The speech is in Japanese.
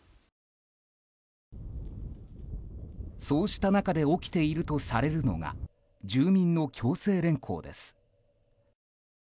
そうした中で起きているとされるのが住民の強制連行です。